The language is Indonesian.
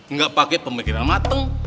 nggak pakai pemikiran mateng